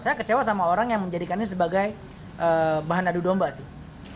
saya kecewa sama orang yang menjadikannya sebagai bahan adu domba sih